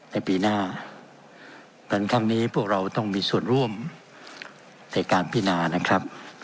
ในปีหน้าดังครั้งนี้พวกเราต้องมีส่วนร่วมในการพินานะครับ